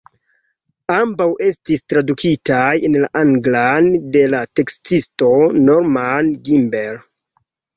Ambaŭ estis tradukitaj en la anglan de la tekstisto Norman Gimbel.